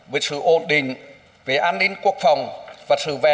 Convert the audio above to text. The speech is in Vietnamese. với sự ổn định về an ninh quốc pháp